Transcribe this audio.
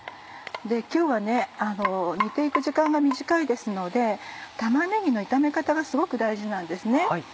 今日は煮て行く時間が短いですので玉ねぎの炒め方がすごく大事なんですね。